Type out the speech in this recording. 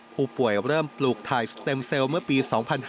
ผู้ป่วยเริ่มปลูกถ่ายสเต็มเซลล์เมื่อปี๒๕๕๙